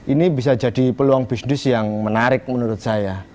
ini bisa jadi peluang bisnis yang menarik menurut saya